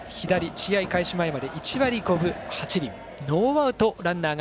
試合開始前まで１割５分８厘。